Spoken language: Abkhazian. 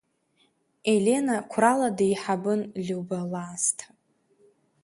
Елена қәрала деиҳабын Лиуба лаасҭа.